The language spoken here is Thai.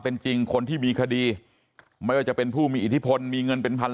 เป็นจริงคนที่มีคดีไม่ว่าจะเป็นผู้มีอิทธิพลมีเงินเป็นพัน